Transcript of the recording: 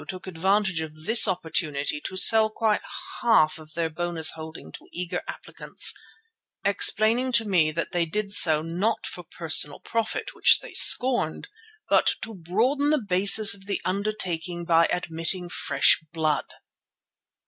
took advantage of this opportunity to sell quite half of their bonus holding to eager applicants, explaining to me that they did so not for personal profit, which they scorned, but "to broaden the basis of the undertaking by admitting fresh blood."